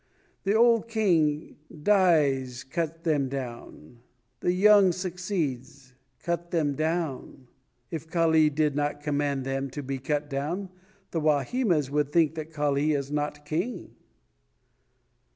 The old king dies cut them down; the young succeeds cut them down. If Kali did not command them to be cut down, the Wahimas would think that Kali is not king."